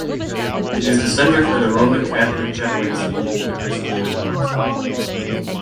It is the centre for the Roman Catholic chaplaincy for the University of Oxford.